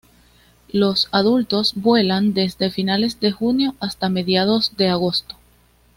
Los adultos vuelan desde finales de junio hasta mediados de agosto.